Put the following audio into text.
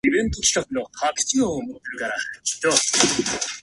今日は少し眠い。